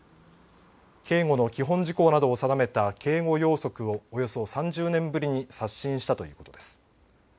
警護の基本事項などを定めた警護要則をおよそ３０年ぶりに刷新したということです。